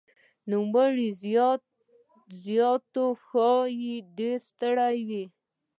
نوموړی زیاتوي "ښايي ډېره ستړیا